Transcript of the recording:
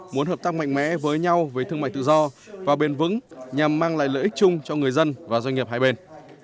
muốn hợp tác mạnh mẽ với nhau với thương mại tự do và bền vững nhằm mang lại lợi ích chung cho người dân và doanh nghiệp hai bên